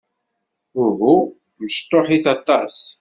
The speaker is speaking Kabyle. Uhu. Mecṭuḥit aṭas.